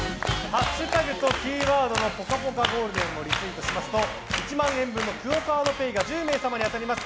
ハッシュタグとキーワードの「＃ぽかぽかゴールデン」をリツイートすると１万円分のＱＵＯカードＰａｙが１０名様に当たります。